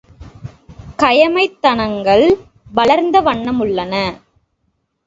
கயமைத்தனங்கள் வளர்ந்த வண்ணமுள்ளன.